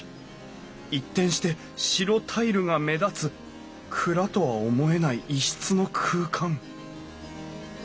一転して白タイルが目立つ蔵とは思えない異質の空間